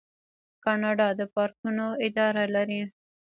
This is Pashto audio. کاناډا د پارکونو اداره لري.